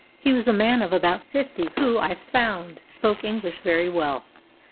He was a man of about fifty, who, I found, spoke English very well.